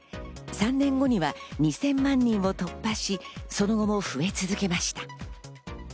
３年後には２０００万人を突破し、その後も増え続けました。